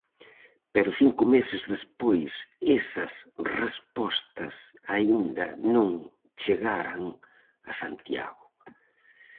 Pero cinco meses despois esas respostas aínda non chegaran a Santiago.